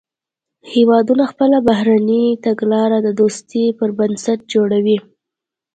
هیوادونه خپله بهرنۍ تګلاره د دوستۍ پر بنسټ جوړوي